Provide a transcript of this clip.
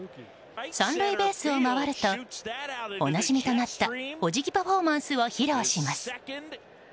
３塁ベースを回るとおなじみとなったお辞儀パフォーマンスを披露します。